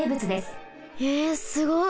えすごい！